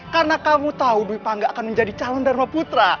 karena kamu tahu dwi pangga akan menjadi calon dharma putra